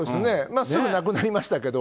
すぐなくなりましたけど。